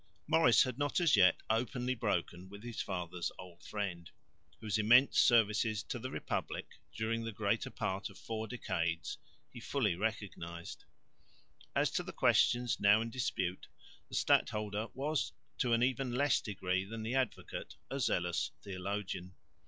Maurice had not as yet openly broken with his father's old friend, whose immense services to the republic during the greater part of four decades he fully recognised. As to the questions now in dispute the stadholder was to an even less degree than the Advocate a zealous theologian.